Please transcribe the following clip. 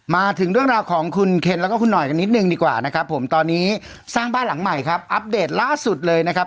มาถึงเรื่องราวของคุณเคนแล้วก็คุณหน่อยกันนิดนึงดีกว่านะครับผมตอนนี้สร้างบ้านหลังใหม่ครับอัปเดตล่าสุดเลยนะครับ